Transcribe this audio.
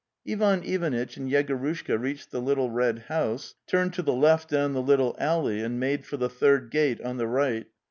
..." Ivan Ivanitch and Yegorushka reached the little red house, turned to the left down the little alley, and made for the third gate on the right.